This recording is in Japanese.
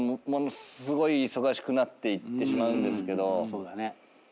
そうだね。